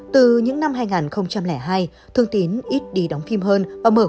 từ những năm hai nghìn hai thương tín ít đi đóng phim hơn